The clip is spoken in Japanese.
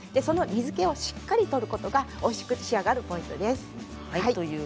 水けをしっかり取ることがおいしく作るポイントです。